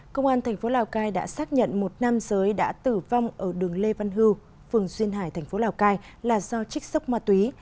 công an tp lào cai đã xác nhận một nam giới đã tử vong ở đường lê văn hưu phường xuyên hải tp lào cai là do trích sốc ma túy